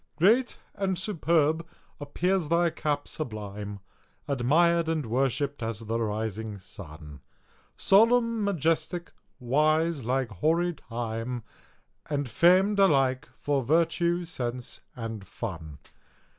Great and superb appears thy cap sublime, Admired and worshipp'd as the rising sun; Solemn, majestic, wise, like hoary Time, And fam'd alike for virtue, sense, and fun.